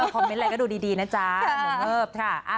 คอมเมนต์ไลน์ก็ดูดีนะจ๊ะหมอเงิบ